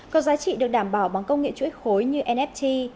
có giá trị được đảm bảo bằng công nghệ chuỗi khối như nft